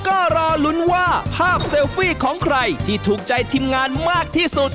ก็รอลุ้นว่าภาพเซลฟี่ของใครที่ถูกใจทีมงานมากที่สุด